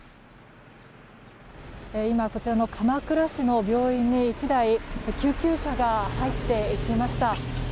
今、こちらの鎌倉市の病院に１台救急車が入っていきました。